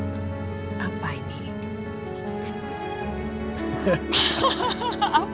ada hadiah untuk mama